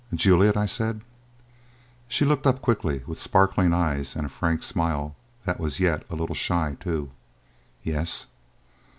"Juliet," said I. She looked up quickly with sparkling eyes and a frank smile that was yet a little shy, too. "Yes."